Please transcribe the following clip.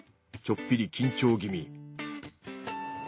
ちょっぴり緊張気味。